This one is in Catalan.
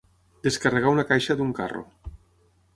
Descarregar una caixa d'un carro.